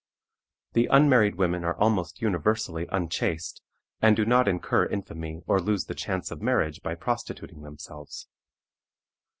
The unmarried women are almost universally unchaste, and do not incur infamy or lose the chance of marriage by prostituting themselves.